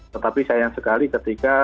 tetapi sayang sekali ketika